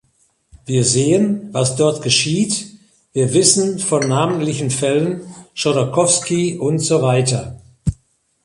Wir sehen, was dort geschieht, wir wissen von namentlichen Fällen Chodorkowski und so weiter.